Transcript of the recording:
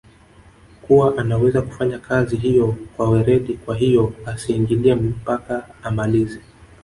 kuwa anaweza kufanya kazi hiyo kwa weredi kwahiyo asiingilie mpaka amalize